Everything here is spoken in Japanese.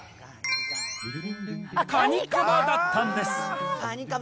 カニカマだったんです。